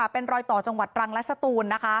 เป็นรอยต่อจังหวัดตรังและสตูนนะคะ